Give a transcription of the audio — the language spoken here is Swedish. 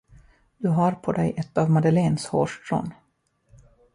Du har på dig ett av Madeleines hårstrån.